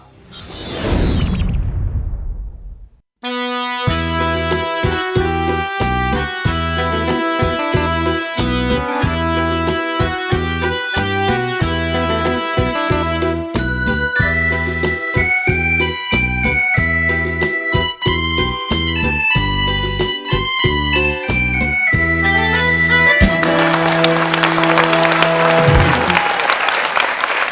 หลับมาเขินท่าวน้องแล้วที่